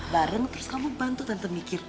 bareng terus kamu bantu tante mikir